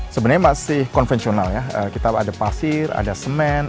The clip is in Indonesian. sebenarnya masih konvensional ya kita ada pasir ada semen